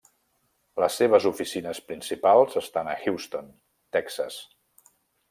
Les seves oficines principals estan a Houston, Texas.